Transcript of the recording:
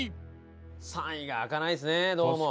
３位が開かないですねどうも。